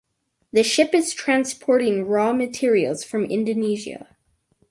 The ship is transporting raw materials from Indonesia.